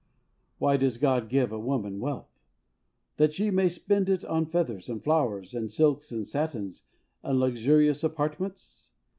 Why does God give a woman wealth? That she may spend it on feathers and flowers, and silks and satins, and luxurious apartments?